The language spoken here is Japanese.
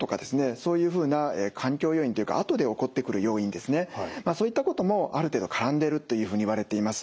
そういうふうな環境要因というか後で起こってくる要因ですねそういったこともある程度絡んでるというふうにいわれています。